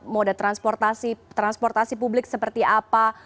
moda transportasi publik seperti apa